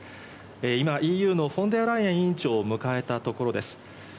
今、ＥＵのフォン・デア・ライエン委員長を迎えたところです。